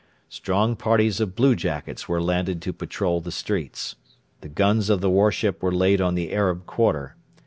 Strong parties of bluejackets were landed to patrol the streets. The guns of the warship were laid on the Arab quarter.